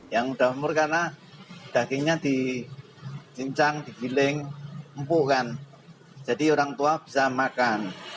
yang udah umur karena dagingnya dicincang digiling empuk kan jadi orang tua bisa makan